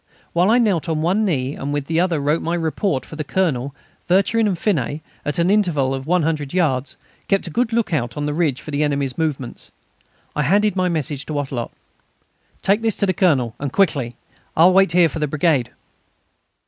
Whilst I knelt on one knee and on the other wrote my report for the Colonel, Vercherin and Finet, at an interval of 100 yards, kept a good look out on the ridge for the enemy's movements. I handed my message to Wattrelot: "Take this to the Colonel, and quickly. I will wait here for the brigade."